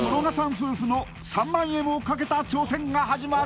夫婦の３万円をかけた挑戦が始まる